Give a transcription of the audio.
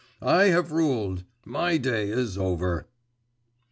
I have ruled, my day is over!